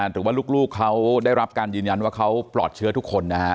หรือว่าลูกเขาได้รับการยืนยันว่าเขาปลอดเชื้อทุกคนนะฮะ